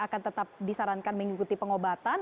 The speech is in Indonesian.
akan tetap disarankan mengikuti pengobatan